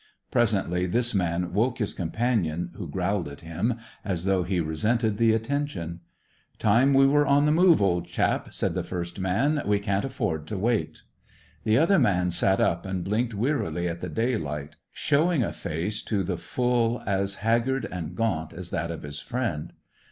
Presently this man woke his companion, who growled at him, as though he resented the attention. "Time we were on the move, old chap," said the first man. "We can't afford to wait." The other man sat up, and blinked wearily at the daylight, showing a face to the full as haggard and gaunt as that of his friend.